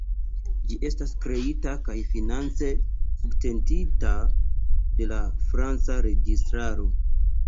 Ĝi estas kreita kaj finance subtenita de la franca registraro.